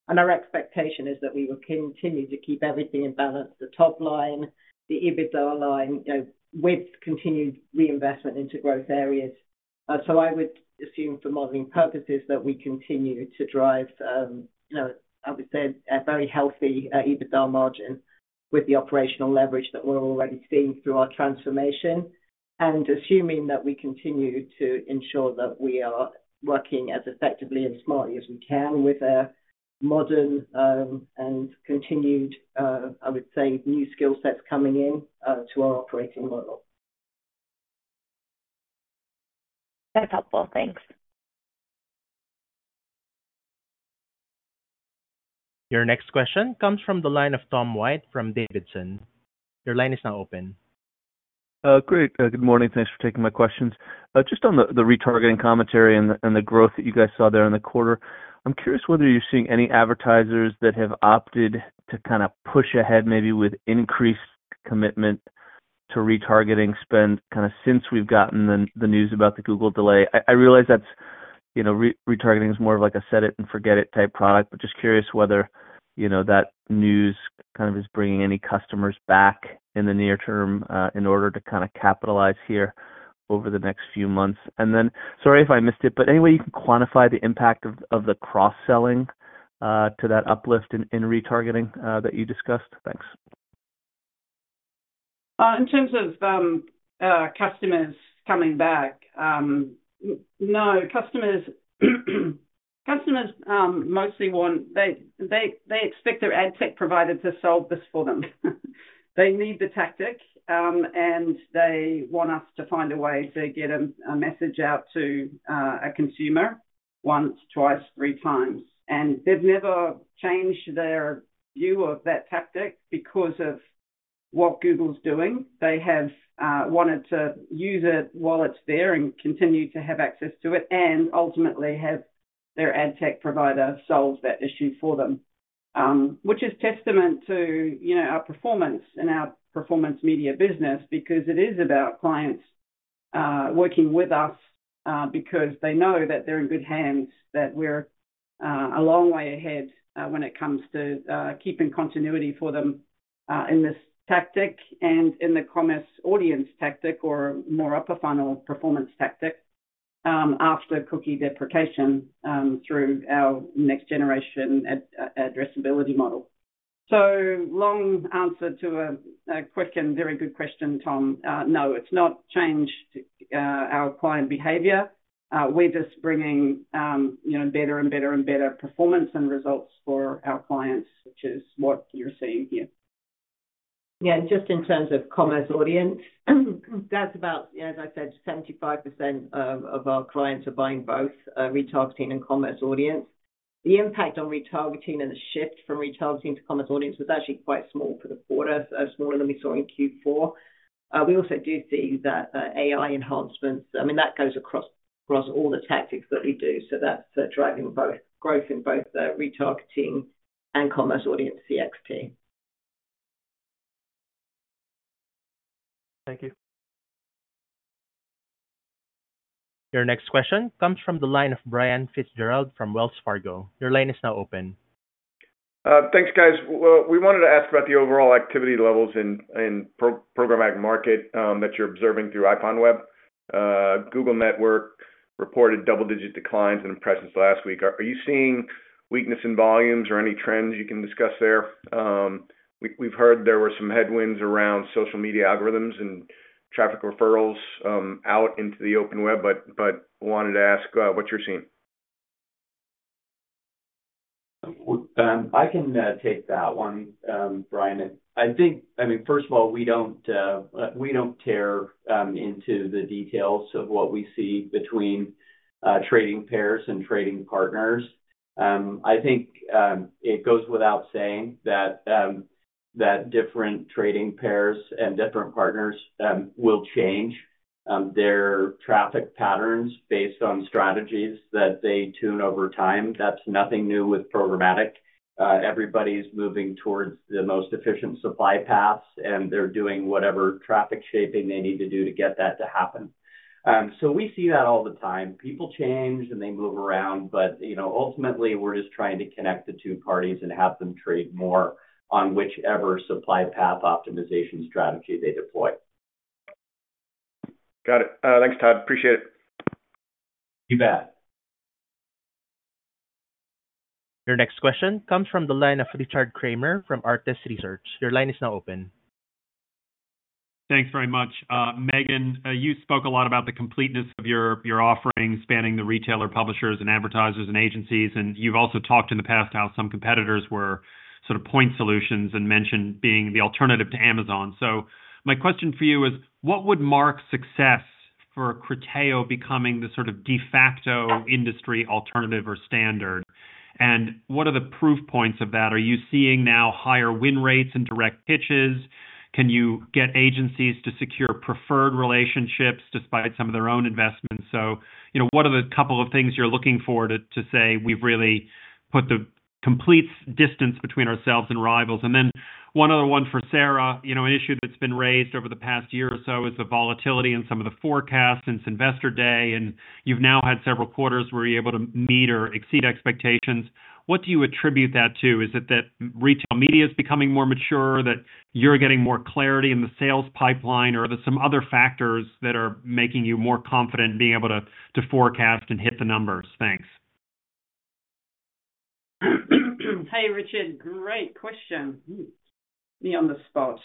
and our expectation is that we will continue to keep everything in balance, the top line, the EBITDA line, you know, with continued reinvestment into growth areas. So I would assume for modeling purposes, that we continue to drive, you know, I would say, a very healthy, EBITDA margin with the operational leverage that we're already seeing through our transformation. Assuming that we continue to ensure that we are working as effectively and smartly as we can with a modern and continued, I would say, new skill sets coming in to our operating model. That's helpful. Thanks. Your next question comes from the line of Tom White from Davidson. Your line is now open. Great. Good morning. Thanks for taking my questions. Just on the retargeting commentary and the growth that you guys saw there in the quarter, I'm curious whether you're seeing any advertisers that have opted to kind of push ahead, maybe with increased commitment to retargeting spend, kind of since we've gotten the news about the Google delay. I realize that's, you know, retargeting is more of like a set it and forget it type product, but just curious whether, you know, that news kind of is bringing any customers back in the near term, in order to kind of capitalize here over the next few months. And then, sorry if I missed it, but any way you can quantify the impact of the cross-selling to that uplift in retargeting that you discussed? Thanks. In terms of customers coming back, no, customers mostly want... They expect their ad tech provider to solve this for them. They need the tactic, and they want us to find a way to get a message out to a consumer once, twice, three times. And they've never changed their view of that tactic because of what Google's doing. They have wanted to use it while it's there and continue to have access to it, and ultimately have their ad tech provider solve that issue for them. Which is testament to, you know, our performance and our performance media business, because it is about clients working with us, because they know that they're in good hands, that we're a long way ahead, when it comes to keeping continuity for them, in this tactic and in the commerce audience tactic or more upper funnel performance tactic, after cookie deprecation, through our next generation addressability model. So long answer to a quick and very good question, Tom. No, it's not changed our client behavior. We're just bringing, you know, better and better and better performance and results for our clients, which is what you're seeing here. Yeah, just in terms of commerce audience, that's about, as I said, 75% of our clients are buying both retargeting and commerce audience. The impact on retargeting and the shift from retargeting to commerce audience was actually quite small for the quarter, smaller than we saw in Q4. We also do see that AI enhancements, I mean, that goes across all the tactics that we do, so that's driving both growth in both retargeting and commerce audience CXP. Thank you. Your next question comes from the line of Brian Fitzgerald from Wells Fargo. Your line is now open. Thanks, guys. Well, we wanted to ask about the overall activity levels in the programmatic market that you're observing through IPONWEB. Google Network reported double-digit declines in impressions last week. Are you seeing weakness in volumes or any trends you can discuss there? We've heard there were some headwinds around social media algorithms and traffic referrals out into the open web, but wanted to ask what you're seeing. I can take that one, Brian. I think... I mean, first of all, we don't tear into the details of what we see between trading pairs and trading partners. I think it goes without saying that different trading pairs and different partners will change their traffic patterns based on strategies that they tune over time. That's nothing new with programmatic. Everybody's moving towards the most efficient supply paths, and they're doing whatever traffic shaping they need to do to get that to happen. So we see that all the time. People change, and they move around, but, you know, ultimately, we're just trying to connect the two parties and have them trade more on whichever supply path optimization strategy they deploy. Got it. Thanks, Todd. Appreciate it. You bet. Your next question comes from the line of Richard Kramer from Arete Research. Your line is now open.... Thanks very much. Megan, you spoke a lot about the completeness of your, your offerings, spanning the retailer, publishers, and advertisers, and agencies, and you've also talked in the past how some competitors were sort of point solutions and mentioned being the alternative to Amazon. So my question for you is, what would mark success for Criteo becoming the sort of de facto industry alternative or standard? And what are the proof points of that? Are you seeing now higher win rates and direct pitches? Can you get agencies to secure preferred relationships despite some of their own investments? So, you know, what are the couple of things you're looking for to, to say, "We've really put the complete distance between ourselves and rivals?" And then one other one for Sarah. You know, an issue that's been raised over the past year or so is the volatility in some of the forecasts since Investor Day, and you've now had several quarters where you're able to meet or exceed expectations. What do you attribute that to? Is it that retail media is becoming more mature, that you're getting more clarity in the sales pipeline, or are there some other factors that are making you more confident in being able to, to forecast and hit the numbers? Thanks. Hey, Richard, great question. Me on the spot.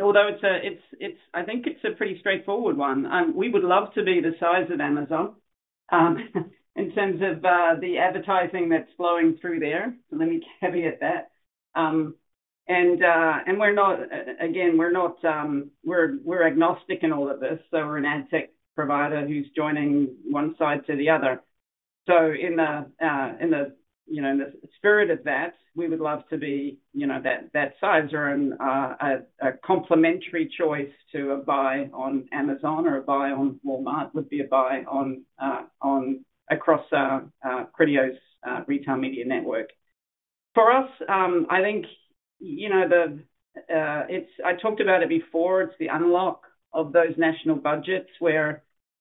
Although it's. It's, I think it's a pretty straightforward one. We would love to be the size of Amazon, in terms of, the advertising that's flowing through there. Let me caveat that. And, and we're not... Again, we're not, we're, we're agnostic in all of this, so we're an ad tech provider who's joining one side to the other. So in the, in the, you know, in the spirit of that, we would love to be, you know, that, that size or, a, a complementary choice to a buy on Amazon or a buy on Walmart, would be a buy on, on, across, Criteo's, retail media network. For us, I think, you know, it's—I talked about it before, it's the unlock of those national budgets,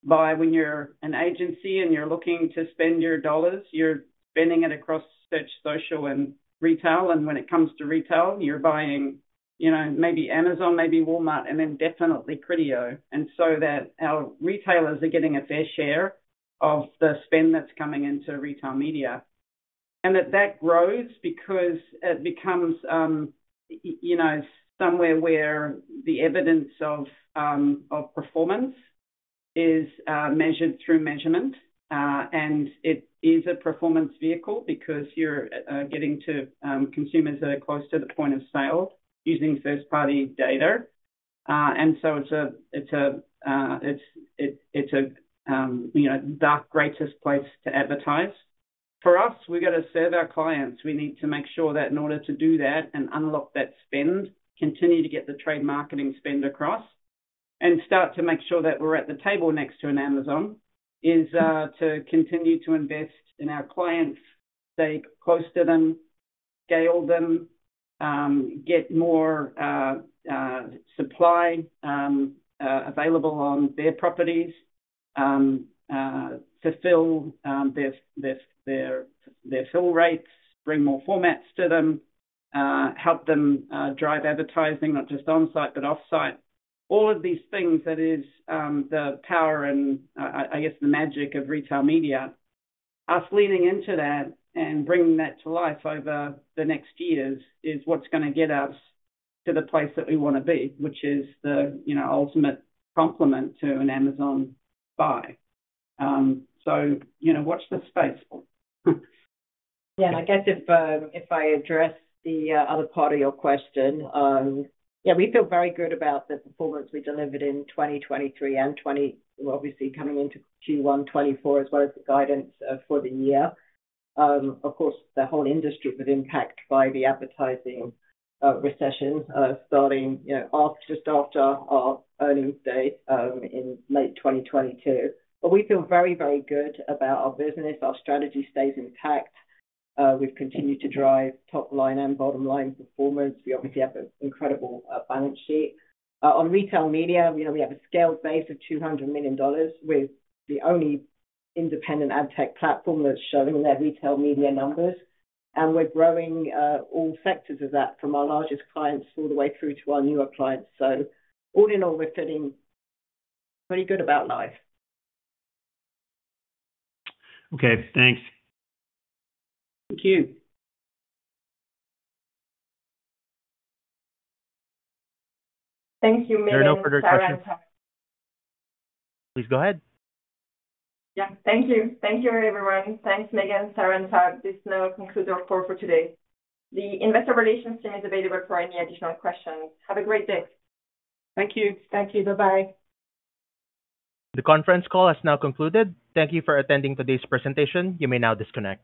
whereby when you're an agency and you're looking to spend your dollars, you're spending it across search, social, and retail. And when it comes to retail, you're buying, you know, maybe Amazon, maybe Walmart, and then definitely Criteo. And so that our retailers are getting a fair share of the spend that's coming into retail media. And that grows because it becomes, you know, somewhere where the evidence of performance is measured through measurement, and it is a performance vehicle because you're getting to consumers that are close to the point of sale using first-party data. And so it's the greatest place to advertise. For us, we've got to serve our clients. We need to make sure that in order to do that and unlock that spend, continue to get the trade marketing spend across and start to make sure that we're at the table next to an Amazon is to continue to invest in our clients, stay close to them, scale them, get more supply available on their properties, fulfill their fill rates, bring more formats to them, help them drive advertising, not just on-site, but offsite. All of these things that is the power and, I guess, the magic of retail media. Us leaning into that and bringing that to life over the next years is what's gonna get us to the place that we wanna be, which is the, you know, ultimate complement to an Amazon buy. So, you know, watch this space. Yeah, I guess if, if I address the, other part of your question, yeah, we feel very good about the performance we delivered in 2023 and twenty... Obviously coming into Q1 2024, as well as the guidance, for the year. Of course, the whole industry was impacted by the advertising, recession, starting, you know, after, just after our earnings date, in late 2022. But we feel very, very good about our business. Our strategy stays intact. We've continued to drive top line and bottom line performance. We obviously have an incredible, balance sheet. On retail media, you know, we have a scaled base of $200 million. We're the only independent ad tech platform that's showing their retail media numbers, and we're growing, all sectors of that from our largest clients all the way through to our newer clients. So all in all, we're feeling pretty good about life. Okay, thanks. Thank you. Thank you, Megan and Sarah- Are there no further questions? Please go ahead. Yeah. Thank you. Thank you, everyone. Thanks, Megan, Sarah, and Tom. This now concludes our call for today. The investor relations team is available for any additional questions. Have a great day. Thank you. Thank you. Bye-bye. The conference call has now concluded. Thank you for attending today's presentation. You may now disconnect.